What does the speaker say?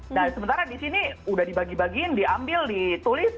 nah sementara di sini udah dibagi bagiin diambil ditulis